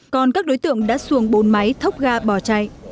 còn các đối tượng đã xuồng bốn máy thốc ga bỏ chạy